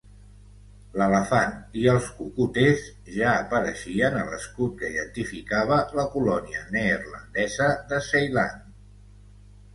L'elefant i els cocoters ja apareixien a l'escut que identificava la colònia neerlandesa de Ceilan.